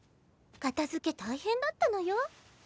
片づけ大変だったのよ。